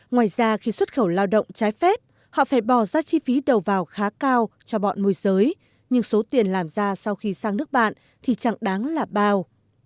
ngoài ra khi xuất khẩu lao động trái phép họ phải bỏ ra chi phí đầu vào khá cao cho bọn môi giới nhưng số tiền làm ra sau khi sang nước bạn thì chẳng đáng là bao